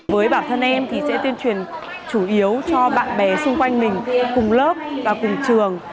với bản thân em thì sẽ tuyên truyền chủ yếu cho bạn bè xung quanh mình cùng lớp và cùng trường